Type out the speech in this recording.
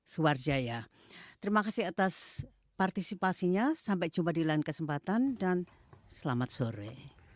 suwarjaya terima kasih atas partisipasinya sampai jumpa di lain kesempatan dan selamat sore